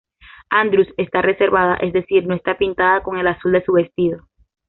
Andrews está "reservada", es decir, no está pintada con el azul de su vestido.